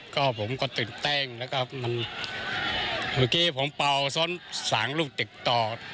ก็ผมก็ตื่นเต้นแล้วก็มันเมื่อกี้ผมเป่าซ้อนสางลูกติดต่อ